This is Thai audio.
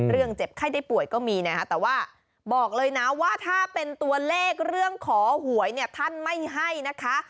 เจ็บไข้ได้ป่วยก็มีนะคะแต่ว่าบอกเลยนะว่าถ้าเป็นตัวเลขเรื่องขอหวยเนี่ยท่านไม่ให้นะคะ